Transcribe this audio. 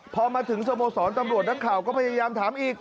พอมาถึงสโมสรตำรวจนักข่าวก็พยายามถามอีก